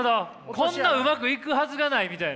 こんなうまくいくはずがないみたいな。